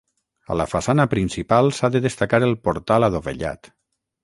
A la façana principal s'ha de destacar el portal adovellat.